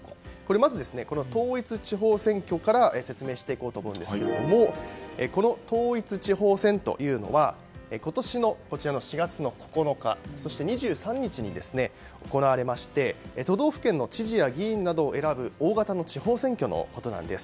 まず、統一地方選挙から説明していこうと思うんですが統一地方選というのは今年の４月９日そして２３日に行われまして都道府県の知事や議員などを選ぶ大型の地方選挙のことなんです。